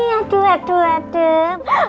aduh aduh aduh